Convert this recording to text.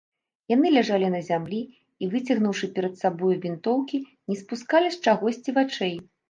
Яны ляжалі на зямлі і, выцягнуўшы перад сабою вінтоўкі, не спускалі з чагосьці вачэй.